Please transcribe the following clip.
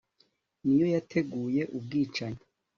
niyo yateguye ubwicanyi